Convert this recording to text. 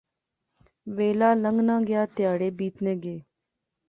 ویلا لنگنا گیا۔ تہاڑے بیتنے گئے